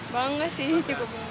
bangga sih cukup bangga